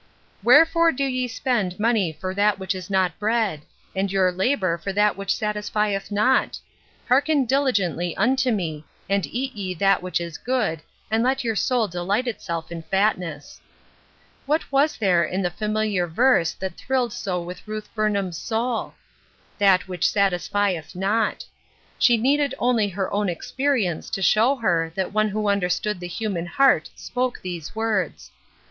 " Wherefore do ye spend money for that which is not bread? and your labor for that which satisfieth not? Hearken diligently unto me, and eat ye that which is good, and let your soul delight itself in fatness." What was there in the familiar verse that thrilled so through Ruth Burnham's soul? *' That wliich satisfieth not." She needed only her own experience to show her that one who understood the human heart spoke those words